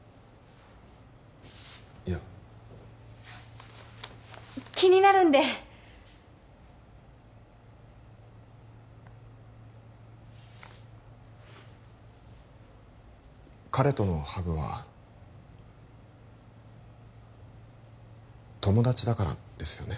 いや気になるんで彼とのハグは友達だからですよね？